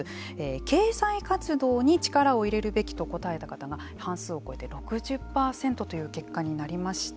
経済活動に力を入れるべきと答えた方が半数を超えて６０％という結果になりました。